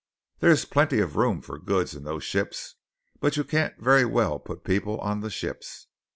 There is plenty of room for goods in those ships; but you can't very well put people on the ships.